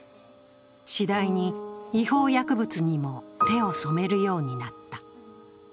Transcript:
次第に違法薬物にも手を染めるようになった。